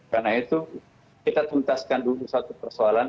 karena itu kita tuntaskan dulu satu persoalan